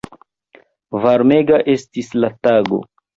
Varmega estis la tago.